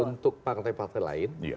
untuk partai partai lain